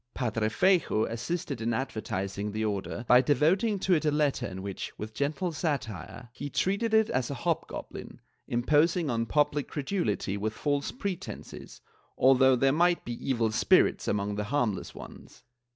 Padre Feyjoo assisted in advertising the Order by devoting to it a letter in which, with gentle satire, he treated it as a hobgoblin, imposing on public credulity with false pretences, although there might be evil spirits among the harmless ones.